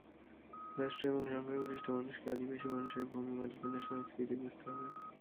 রাষ্ট্র এবং সংখ্যাগরিষ্ঠ মানুষকে আদিবাসী মানুষের ভূমি মালিকানার সংস্কৃতি বুঝতে হবে।